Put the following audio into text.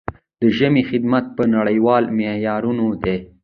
د ژبې خدمت په نړیوالو معیارونو دی.